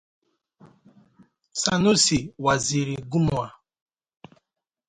Sanusi Waziri Gumau.